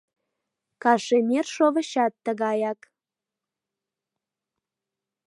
Кашемир шовычат тыгаяк.